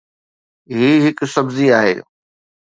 هي هڪ سبزي آهي